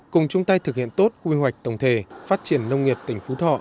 cùng chung tay thực hiện tốt quy hoạch tổng thể phát triển nông nghiệp tỉnh phú thọ